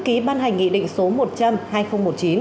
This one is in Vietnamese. ký ban hành nghị định số một trăm linh hai nghìn một mươi chín